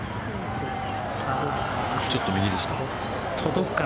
ちょっと右ですか？